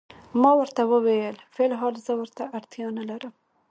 ما ورته وویل: فی الحال زه ورته اړتیا نه لرم.